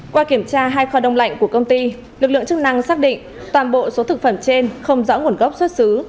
qua kiểm tra hai kho đông lạnh của công ty lực lượng chức năng xác định toàn bộ số thực phẩm trên không rõ nguồn gốc xuất xứ